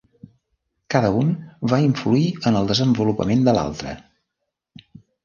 Cada un va influir en el desenvolupament de l'altre.